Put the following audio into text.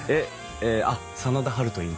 真田ハルといいます。